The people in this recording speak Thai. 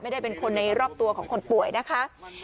ไม่ได้เป็นคนในรอบตัวของคนป่วยนะคะ